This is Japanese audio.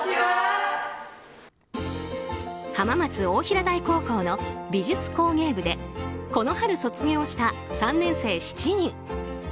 浜松大平台高等学校の美術工芸部でこの春卒業した３年生７人。